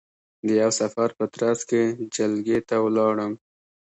د یوه سفر په ترځ کې جلگې ته ولاړم،